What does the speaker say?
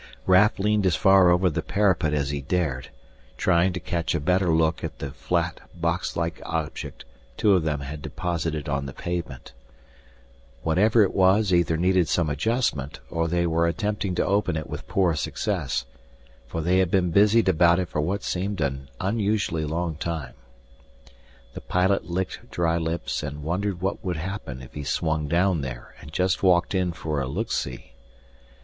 Raf leaned as far over the parapet as he dared, trying to catch a better look at the flat, boxlike object two of them had deposited on the pavement. Whatever it was either needed some adjustment or they were attempting to open it with poor success, for they had been busied about it for what seemed an unusually long time. The pilot licked dry lips and wondered what would happen if he swung down there and just walked in for a look see.